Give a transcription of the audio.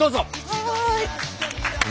はい。